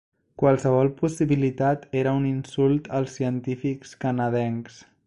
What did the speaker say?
Qualsevol possibilitat era un insult als científics canadencs.